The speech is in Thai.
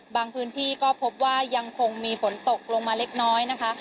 พื้นที่ก็พบว่ายังคงมีฝนตกลงมาเล็กน้อยนะคะ